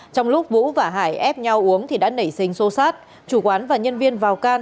trong lúc vũ và hải ép nhau uống thì đã nảy sinh xô xát chủ quán và nhân viên vào can